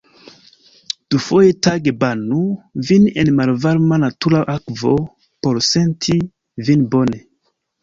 Dufoje tage banu vin en malvarma natura akvo, por senti vin bone.